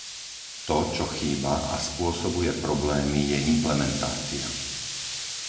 To, čo chýba a spôsobuje problémy je implementácia.